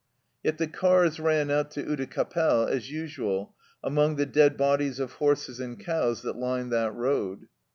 Yet the cars ran out to Oudecappelle as usual among the dead bodies of horses and cows that lined that road.